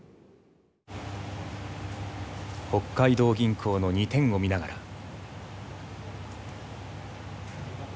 北海道銀行の２点を見ながら。